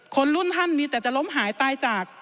คนรุ่นท่านมีแต่จะล้มหายตายจาก